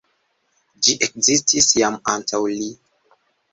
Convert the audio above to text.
Ĝi ekzistis jam antaŭ li.